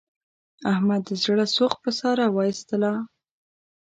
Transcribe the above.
احمد د زړه سوخت په ساره و ایستلا.